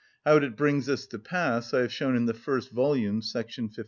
How it brings this to pass I have shown in the first volume, § 51.